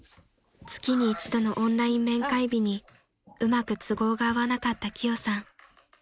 ［月に一度のオンライン面会日にうまく都合が合わなかったキヨさん］